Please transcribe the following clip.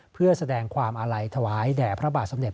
เพื่อแสดงความอาลัยถวายแด่พระบาทสำเด็